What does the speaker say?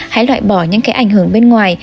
hãy loại bỏ những cái ảnh hưởng bên ngoài